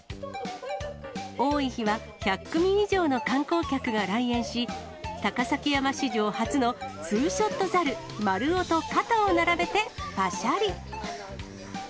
多い日は１００組以上の観光客が来園し、高崎山史上初の２ショットザル、マルオと肩を並べてぱしゃり。